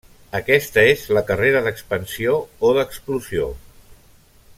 Aquesta és la carrera d'expansió o d'explosió.